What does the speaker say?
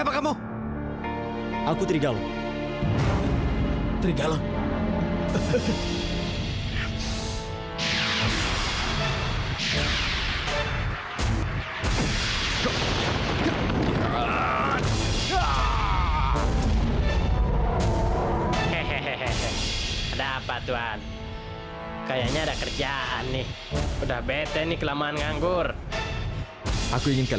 king mereka banyak sekali